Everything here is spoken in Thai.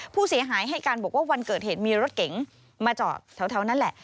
ผู้เสียหายให้การบอกว่าวันเกิดเหตุมีรถเก๋งมาจอดแถวนั้นแหละ